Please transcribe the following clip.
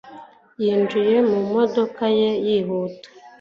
yinjiye mu modoka ye yihuta